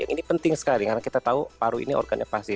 ini penting sekali karena kita tahu paru ini organ yang pasti